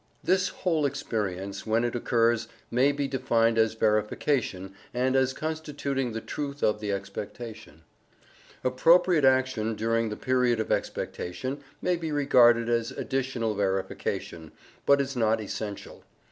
This whole experience, when it occurs, may be defined as verification, and as constituting the truth of the expectation. Appropriate action, during the period of expectation, may be regarded as additional verification, but is not essential.